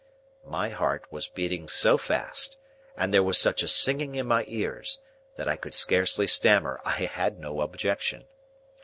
My heart was beating so fast, and there was such a singing in my ears, that I could scarcely stammer I had no objection.